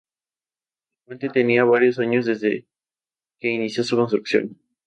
El puente tenía varios años desde que inició su construcción.